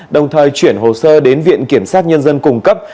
đồng thời chuyển hồ sơ đến viện kiểm sát nhân dân cung cấp